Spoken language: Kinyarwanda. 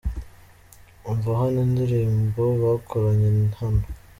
Umva hano indirimbo bakoranye hano :.